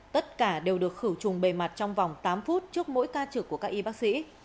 tất cả đều được khử trùng bề mặt trong vòng tám phút trước mỗi ca trực của các y bác sĩ